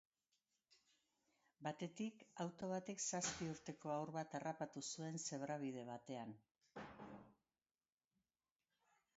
Batetik, auto batek zazpi urteko haur bat harrapatu zuen zebrabide batean.